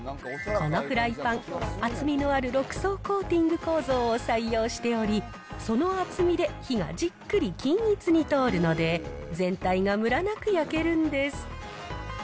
このフライパン、厚みのある６層コーティング構造を採用しており、その厚みで火がじっくり均一に通るので、全体がむらなく焼けるんです。